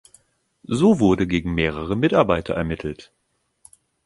So wurde gegen mehrere Mitarbeiter ermittelt.